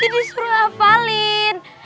ini disuruh hafalin